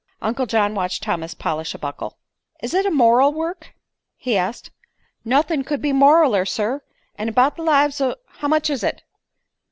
Uncle John watched Thomas polish a buckle. "Is it a moral work?" he asked. "Nuthin' could be moraler, sir. All 'bout the lives o' " "How much is it?"